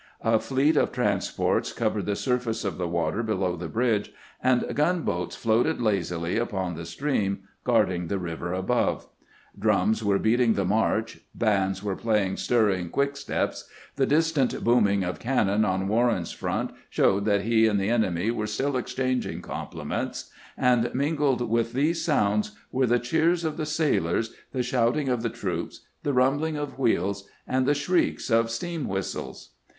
A fleet of transports covered the surface of the water below the bridge, and gunboats floated lazily upon the stream, guarding the river above. Drums were beating the march, bands were playing stirring quicksteps, the 200 CAMPAIGNING WITH GRANT distant booming of cannon on Warren's front showed tliat lie and th.e enemy were still exchanging compli ments ; and mingled with these sounds were the cheers of the sailors, the shouting of the troops, the rumbling of wheels, and the shrieks of steam whistles.